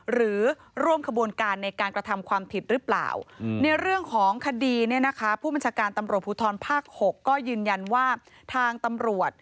หรือร่วมกระบวนการในการกระทำความผิดรึเปล่า